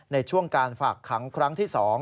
ในช่วงการฝากขังครั้งที่๒